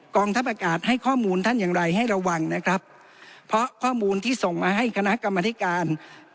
กองทัพอากาศให้ข้อมูลท่านอย่างไรให้ระวังนะครับเพราะข้อมูลที่ส่งมาให้คณะกรรมธิการ